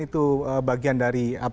itu bagian dari